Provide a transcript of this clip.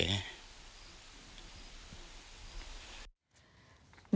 ครับ